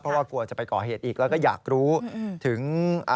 เพราะว่ากลัวจะไปก่อเหตุอีกแล้วก็อยากรู้ถึง